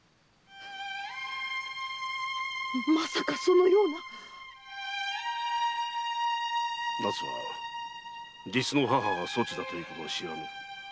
まさかそのような⁉奈津は実の母がそちだということは知らぬ。